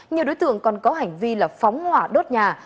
nhiều đối tượng còn có hành vi là phóng hỏa đốt nhà